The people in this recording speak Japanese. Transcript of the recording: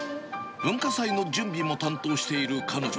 文化祭の準備も担当している彼女。